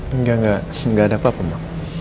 enggak enggak gak ada apa apa ma